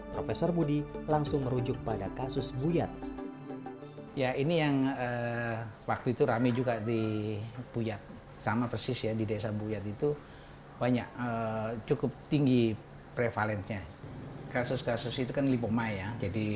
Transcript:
profesor budi langsung merujuk pada kasus buyat